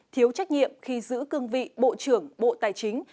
thiếu trách nhiệm khi giữ cương vị bộ trưởng bộ tài chính